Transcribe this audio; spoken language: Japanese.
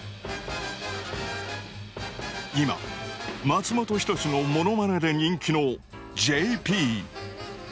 今松本人志のモノマネで人気のＪＰ。